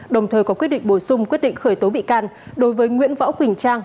đồng thời có quyết định bổ sung quyết định khởi tố bị can đối với nguyễn võ quỳnh trang